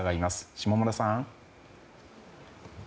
下村さん。